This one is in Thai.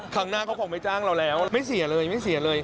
ครั้งหน้าเขาคงไม่จ้างเราแล้วไม่เสียเลยไม่เสียเลย